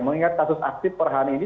mengingat kasus aktif perhani ini